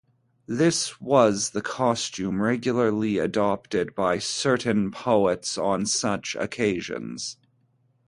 This was the costume regularly adopted by certain poets on such occasions.